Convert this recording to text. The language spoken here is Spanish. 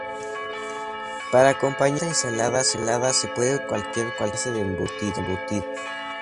Para acompañar esta ensalada se puede utilizar cualquier clase de embutido.